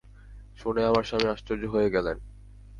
শুনে আমার স্বামী আশ্চর্য হয়ে গেলেন।